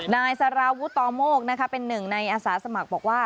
นายสารวุตอโมกเป็นหนึ่งในอาสาสมัครบอกว่า